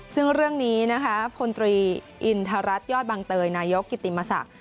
ซึ่งเรื่องนี้นะคะพลตรีอินทรัศนยอดบังเตยนายกกิติมศักดิ